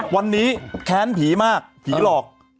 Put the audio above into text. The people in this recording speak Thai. วันนี้แค้นผีมากผีหลอก